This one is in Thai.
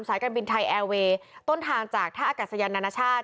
การบินไทยแอร์เวย์ต้นทางจากท่าอากาศยานนานาชาติ